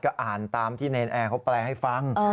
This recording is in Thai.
ก็อ่านตามที่เนรนแอร์เขาแปลให้ฟัง